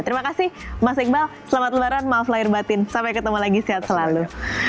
terima kasih mas iqbal selamat lebaran maaf lahir batin sampai ketemu lagi sehat selalu